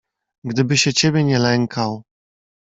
"Gdyby się ciebie nie lękał."